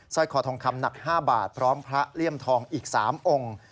ร้อยคอทองคำหนัก๕บาทพร้อมพระเลี่ยมทองอีก๓องค์